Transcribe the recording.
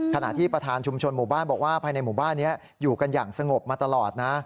ขณะที่ประธานชุมชนหมู่บ้านบอกว่าภายในหมู่บ้านนี้อยู่กันอย่างสงบมาตลอดนะ